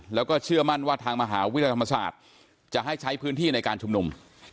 แล้วก็เชื่อมั่นว่าทางมหาวิทยาลัยธรรมศาสตร์จะให้ใช้พื้นที่ในการชุมนุม